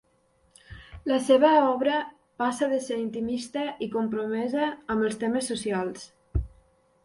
La seva obra passa de ser intimista i compromesa amb els temes socials.